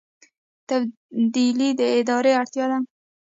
تبدیلي د ادارې اړتیا ده